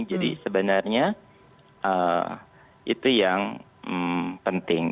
jadi sebenarnya itu yang penting